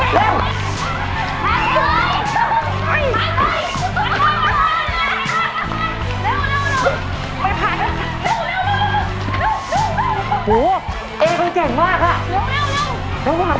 ทางทางทางทางทางทางทางทางทางทางทางทางทาง